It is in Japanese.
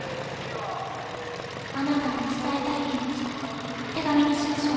あなたの伝えたい気持ちを手紙にしましょう。